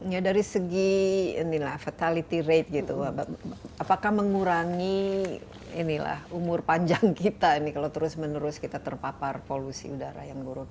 ya dari segi fatality rate gitu apakah mengurangi umur panjang kita ini kalau terus menerus kita terpapar polusi udara yang buruk